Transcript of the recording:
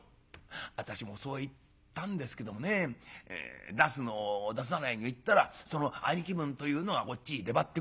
「私もそう言ったんですけどもね出すの出さないの言ったらその兄貴分というのがこっちへ出張ってくる。